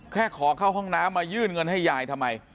ขอเข้าห้องน้ำมายื่นเงินให้ยายทำไม